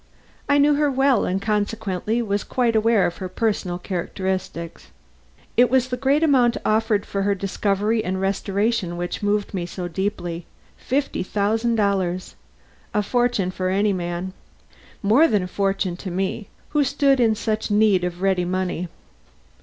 I knew her well and consequently was quite aware of her personal characteristics. It was the great amount offered for her discovery and restoration which moved me so deeply. Fifty thousand dollars! A fortune for any man. More than a fortune to me, who stood in such need of ready money.